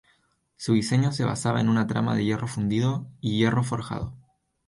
Su diseño se basaba en una trama de hierro fundido y hierro forjado.